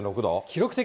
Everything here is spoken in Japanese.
記録的。